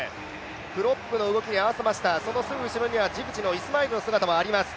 クロップの動きに合わせました、そしてその後ろにはジブチのイスマイルの姿もあります。